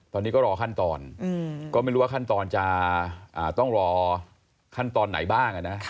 ตอนนี้ก็รอขั้นตอนก็ไม่รู้ว่าขั้นตอนจะต้องรอขั้นตอนไหนบ้าง